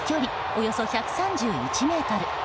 およそ１３１ｍ。